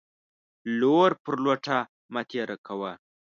لور پر لوټه مه تيره کوه.